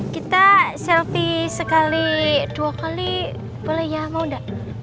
kita selfie sekali dua kali boleh ya mau enggak